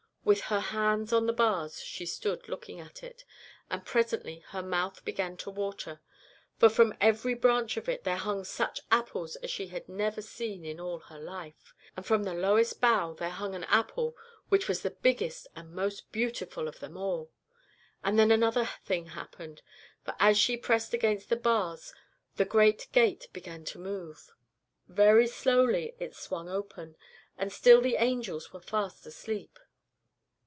With her hands on the bars she stood looking at it, and presently her mouth began to water. For from every branch of it there hung such apples as she had never seen in all her life, and from the lowest bough there hung an apple that was the biggest and most beautiful of them all. And then another thing happened, for as she pressed against the bars the great gate began to move. Very slowly it swung open, and still the angels were fast asleep.